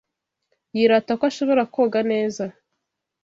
Yirata ko ashobora koga neza.